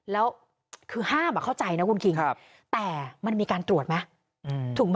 แล้วคือห้ามอ่ะเข้าใจนะคุณคิณกครับแต่มันมีการตรวจไหมอืม